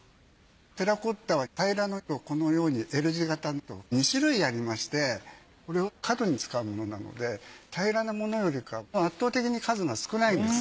テラコッタは平らのとこのようにＬ字型のと２種類ありましてこれは角に使うものなので平らなものよりか圧倒的に数が少ないんです。